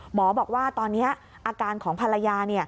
บอกว่าตอนนี้อาการของภรรยา